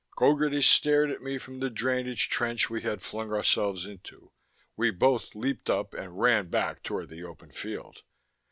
Gogarty stared at me from the drainage trench we had flung ourselves into. We both leaped up and ran back toward the open field.